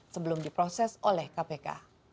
sebelum diproses oleh kpk